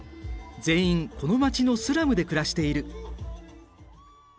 全員この街のスラムで暮らしている。